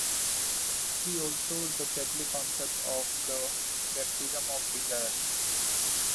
See also the Catholic concept of the "Baptism of Desire".